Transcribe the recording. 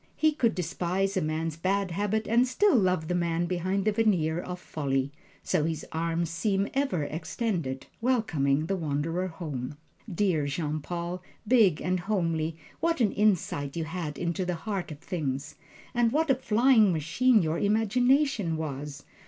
He could despise a man's bad habits and still love the man behind the veneer of folly. So his arms seem ever extended, welcoming the wanderer home. Dear Jean Paul, big and homely, what an insight you had into the heart of things, and what a flying machine your imagination was!